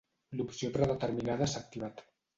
L'opció predeterminada s'ha activat.